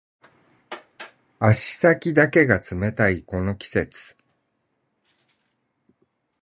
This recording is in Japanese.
足先だけが冷たいこの季節